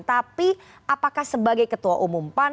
tapi apakah sebagai ketua umum pan